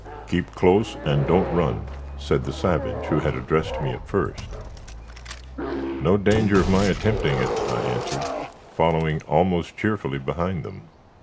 "Keep close, and don't run!" said the savage who had addressed me at first. "No danger of my attempting it," I answered, following almost cheerfully behind them.